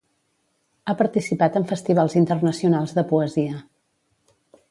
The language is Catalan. Ha participat en festivals internacionals de poesia.